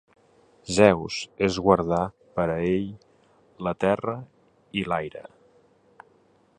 Zeus es guardà per a ell la terra i l'aire.